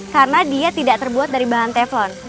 karena dia tidak terbuat dari bahan teflon